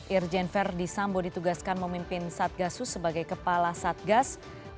irjen verdi sambo ditugaskan memimpin satgasus sebagai kepala satgas